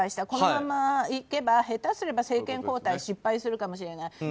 このままいけば下手すれば政権交代失敗するかもしれない。